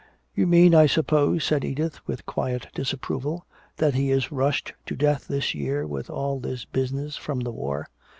"You mean, I suppose," said Edith, with quiet disapproval, "that he is rushed to death this year with all this business from the war."